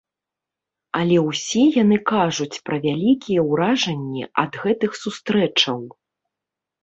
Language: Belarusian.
Але ўсе яны кажуць пра вялікія ўражанні ад гэтых сустрэчаў.